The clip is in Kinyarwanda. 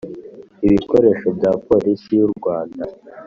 Ibikoresho bya Polisi y urwannda